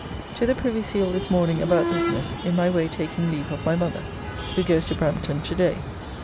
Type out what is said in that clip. To the Privy Seal this morning about business, in my way taking leave of my mother, who goes to Brampton to day.